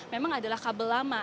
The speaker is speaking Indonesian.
memang adalah kabel lama